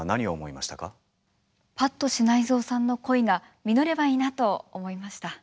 八渡支内造さんの恋が実ればいいなと思いました。